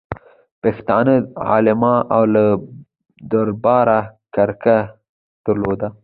پښتانه علما له دربارو کرکه درلوده.